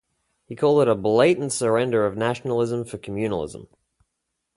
He called it a blatant "surrender of nationalism for communalism".